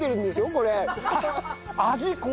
これ。